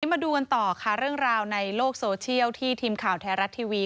มาดูกันต่อค่ะเรื่องราวในโลกโซเชียลที่ทีมข่าวไทยรัฐทีวี